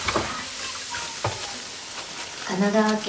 神奈川県